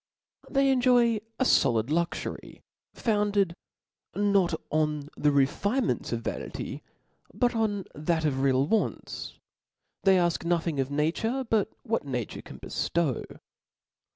They enjoy a folid luxury, founded not on the refinements of vanity, but on that of real wants ; they afk nothing of nature but what nature can beftow.